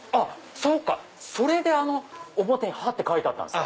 そうかそれで表に「覇」って書いてあったんすか。